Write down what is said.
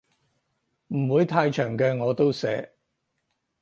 唔會太長嘅我都寫